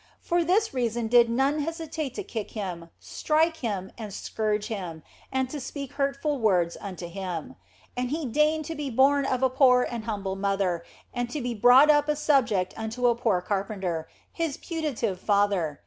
For this reason did none hesitate to kick Him, strike Him, and scourge Him, and to speak hurtful words unto Him. And He 56 THE BLESSED ANGELA deigned to be born of a poor and humble mother and to be brought up subject unto a poor carpenter, His putative father.